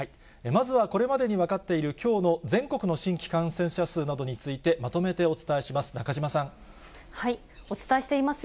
まずはこれまでに分かっているきょうの全国の新規感染者数などについて、まとめてお伝えします。